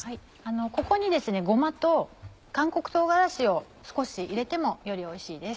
ここにごまと韓国唐辛子を少し入れてもよりおいしいです。